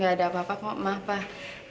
gak ada apa apa kok maaf pak